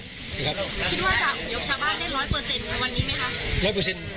คิดว่าจากศูนยบชาพันทะเลได้๑๐๐ในวันนี้ไหมคะ